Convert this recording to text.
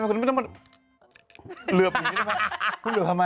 เริบหรือไม่ได้ไหม